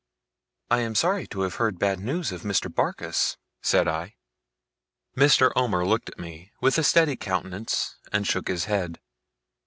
'I am sorry to have heard bad news of Mr. Barkis,' said I. Mr. Omer looked at me, with a steady countenance, and shook his head.